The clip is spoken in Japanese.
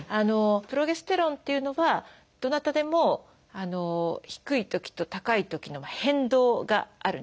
プロゲステロンというのはどなたでも低いときと高いときの変動があるんですね。